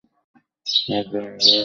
রজ্জু নৌকার কিঞ্চিৎ ঊর্ধে গিয়া শেষ হইল।